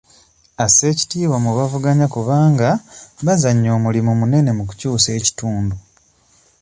Assa ekitiibwa mu b'avuganya kubanga bazannya omulimu munene mu kukyusa ekitundu.